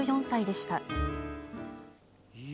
８４歳でした。